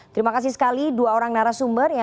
terima kasih sekali dua orang narasumber